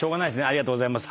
ありがとうございます。